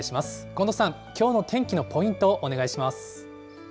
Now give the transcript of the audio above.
近藤さん、きょうの天気のポイント、お願いします。